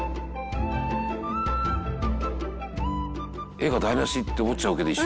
「絵が台無し！って思っちゃうけど一瞬」